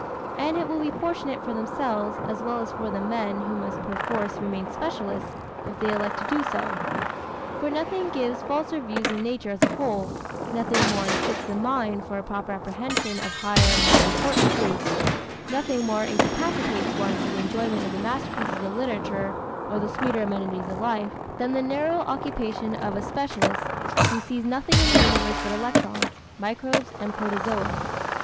And it will be fortunate for themselves, as well as for the men who must perforce remain specialists, if they elect to do so. For nothing gives falser views of nature as a whole, nothing more unfits the mind for a proper apprehension of higher and more important truths, nothing more incapacitates one for the enjoyment of the masterpieces of literature or the sweeter amenities of life, than the narrow occupation of a specialist who sees nothing in the universe but electrons, microbes and protozoa.